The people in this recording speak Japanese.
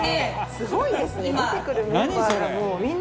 すごいですね。